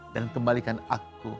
dan kembalikan aku